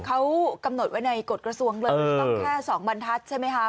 เขากำหนดไว้ในกฎกระทรวงเลยต้องแค่๒บรรทัศน์ใช่ไหมคะ